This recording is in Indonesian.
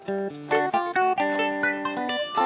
aduh aku bisa